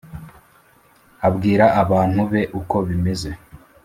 Abwira abantu beuko bimeze